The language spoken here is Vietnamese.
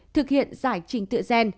thực hiện giải trình tựa gen